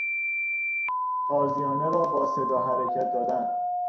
تازیانه را با صدا حرکت دادن